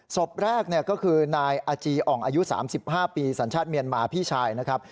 ศพแรกก็คือนายอาจีอ่องอายุ๓๕ปีสัญชาติเมียนมาพี่ชายนะครับ